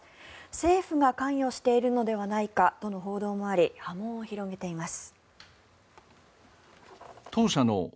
政府が関与しているのではないかとの報道もあり波紋を広げています。